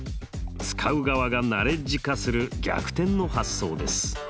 使う側がナレッジ化する逆転の発想です。